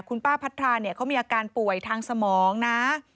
คุณป้าพัทราเนี่ยเขามีอาการป่วยทางสมองนะ